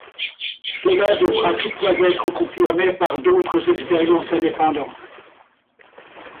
Cela devra toutefois être confirmé par d'autres expériences indépendantes.